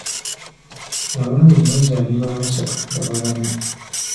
Abaana bwe bazaalibwa abasatu baba baana.